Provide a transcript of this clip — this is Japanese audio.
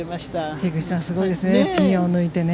樋口さん、すごいですね。